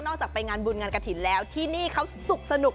จากไปงานบุญงานกระถิ่นแล้วที่นี่เขาสุขสนุก